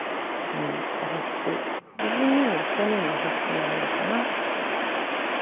優しく自分にも人にも優しくなれるかな。